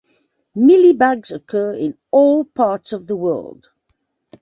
Mealybugs occur in all parts of the world.